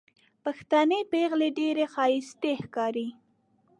پښتنې پېغلې ډېرې ښايستې ښکاري